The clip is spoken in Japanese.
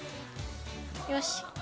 よし。